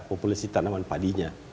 populasi tanaman padinya